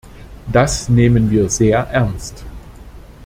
Das nehmen wir sehr ernst.